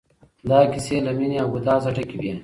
دا کيسې له ميني او ګدازه ډکې وې.